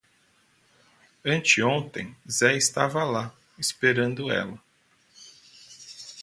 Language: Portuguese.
Anteontem Zé estava lá, esperando ela.